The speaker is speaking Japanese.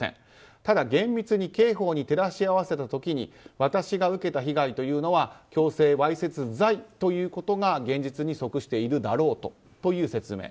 ただ、厳密に刑法に照らし合わせた時に私が受けた被害というのは強制わいせつ罪というのが現実に即しているだろうという説明。